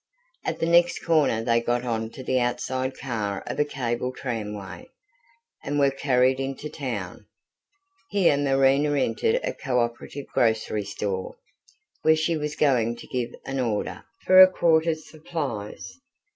At the next corner they got on to the outside car of a cable tramway, and were carried into town. Here Marina entered a co operative grocery store, where she was going to give an order for a quarter's supplies.